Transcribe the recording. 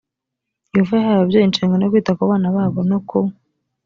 yehova yahaye ababyeyi inshingano yo kwita ku bana babo no ku